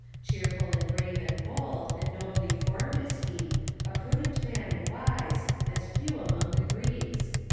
Cheerful and brave and bold, and nobly formed is he, A prudent man and wise, as few among the Greeks.